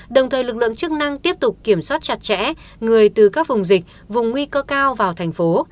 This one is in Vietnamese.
đồng thời lực lượng chức năng tiếp tục kiểm soát chặt chẽ người từ các vùng dịch vùng nguy cơ cao vào thành phố